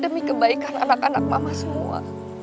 demi kebaikan anak anak mama semua